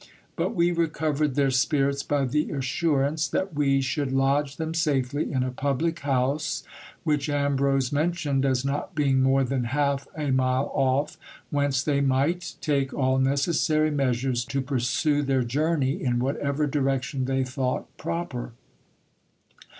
But we recovered their spirits by the assurance, that we should lodge them safely in a public house which Ambrose mentioned as not being more than half a mile off, whence they might take all necessary measures to pursue their journey in whatever direction they thought proper.